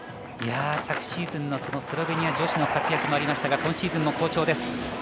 昨シーズンのスロベニア女子の活躍もありましたが今シーズンも好調です。